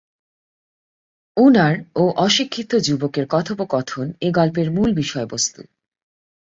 উনার ও অশিক্ষিত যুবক এর কথোপকথন এ গল্পের মূল বিষয় বস্তু।